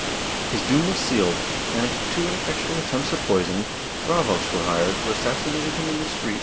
His doom was sealed and, after two ineffectual attempts at poison, bravos were hired who assassi ^ Relazioni Venete, Serie I, T.